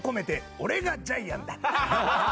「俺がジャイアンだ！」